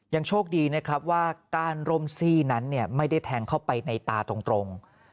โชคดีนะครับว่าก้านร่มซี่นั้นไม่ได้แทงเข้าไปในตาตรง